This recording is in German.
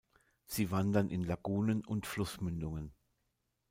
Sie wandern in Lagunen und Flussmündungen.